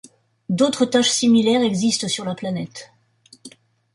D'autres taches similaires existent sur la planète.